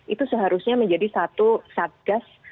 itu seharusnya menjadi satu satgas